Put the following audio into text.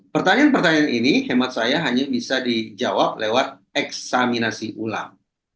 pertanyaan pertanyaan ini hemat saya hanya bisa dijawab lewat eksaminasi ulang